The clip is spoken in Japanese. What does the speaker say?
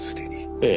ええ。